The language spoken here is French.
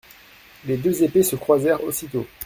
Les deux épées se croisèrent aussitôt.